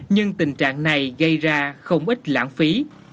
nhưng tình trạng này gây ra không ít lãng phí